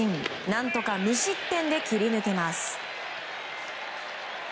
何とか無失点で切り抜けます。